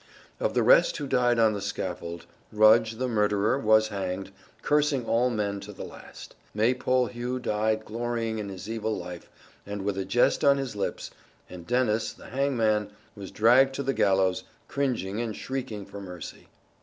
Of the rest who died on the scaffold, Rudge, the murderer, was hanged, cursing all men to the last; Maypole Hugh died glorying in his evil life and with a jest on his lips, and Dennis, the hangman, was dragged to the gallows cringing and shrieking for mercy.